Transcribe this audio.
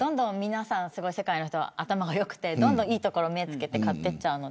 世界の人は頭が良くて、いい所は目をつけて買っていっちゃうので。